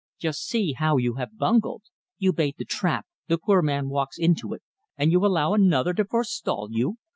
"Just see how you have bungled! You bait the trap, the poor man walks into it, and you allow another to forestall you.